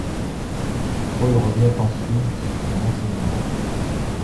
Paul revient ensuite sur son enseignement.